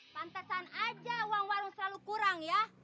tantehkan aja uang warung selalu kurang ya